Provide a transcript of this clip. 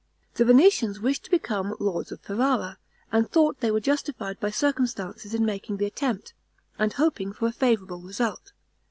The Venetians wished to become lords of Ferrara, and thought they were justified by circumstances in making the attempt, and hoping for a favorable result.